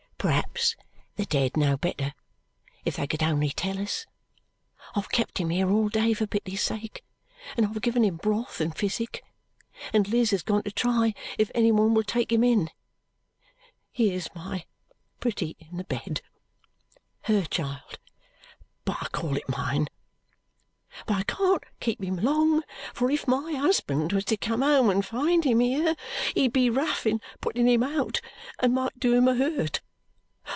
"Perhaps the dead know better, if they could only tell us. I've kept him here all day for pity's sake, and I've given him broth and physic, and Liz has gone to try if any one will take him in (here's my pretty in the bed her child, but I call it mine); but I can't keep him long, for if my husband was to come home and find him here, he'd be rough in putting him out and might do him a hurt.